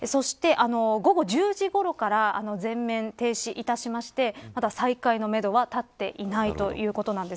午後１０時ごろから全面停止いたしましてまだ再開のめどは立っていないということなんです。